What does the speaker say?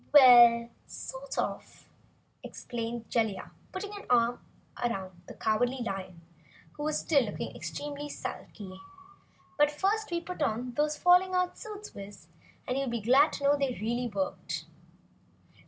"Well sort of," explained Jellia, putting an arm around the Cowardly Lion, who still was looking extremely sulky. "But first we put on those falling out suits, Wiz, and you'll be glad to know they really worked."